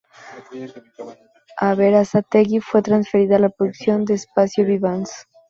A Berazategui fue transferida la producción de los Spazio-Vivace.